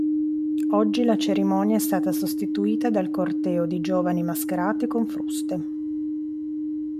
Oggi la cerimonia è stata sostituita dal corteo di giovani mascherati con fruste.